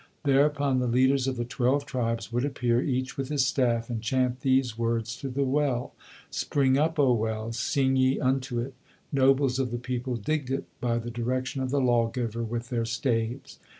Thereupon the leaders of the twelve tribes would appear, each with his staff and chant these words to the well, "Spring up, O well, sing ye unto it; nobles of the people digged it by the direction of the lawgiver with their staves."